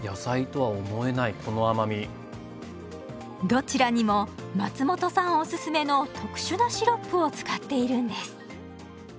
どちらにも松本さんおすすめの特殊なシロップを使っているんです。